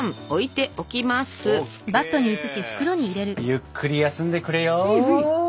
ゆっくり休んでくれよ。